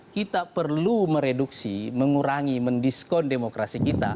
kita perlu mereduksi mengurangi mendiskon demokrasi kita